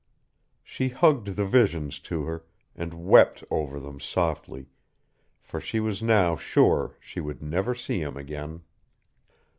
She hugged the visions to her, and wept over them softly, for she was now sure she would never see him again.